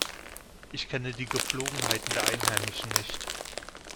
Ich kenne die Gepflogenheiten der Einheimischen nicht.